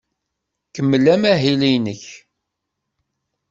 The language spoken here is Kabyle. Kemmel amahil-nnek.